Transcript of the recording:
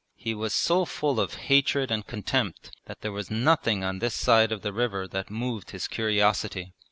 He was so full of hatred and contempt that there was nothing on this side of the river that moved his curiosity.